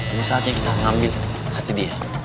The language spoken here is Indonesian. ini saatnya kita ngambil hati dia